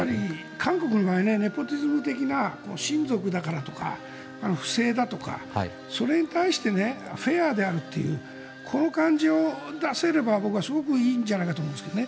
韓国の場合ネポティズム的な親族だからとか不正だとかそれに対してフェアであるというこの感じを出せれば僕はすごくいいと思いますけどね。